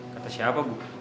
kata siapa bu